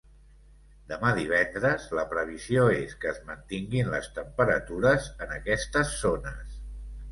Demà divendres, la previsió és que es mantinguin les temperatures en aquestes zones.